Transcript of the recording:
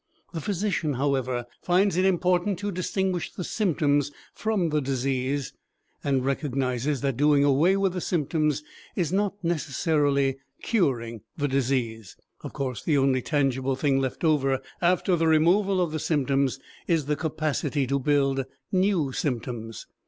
The physician, however, finds it important to distinguish the symptoms from the disease and recognizes that doing away with the symptoms is not necessarily curing the disease. Of course, the only tangible thing left over after the removal of the symptoms is the capacity to build new symptoms.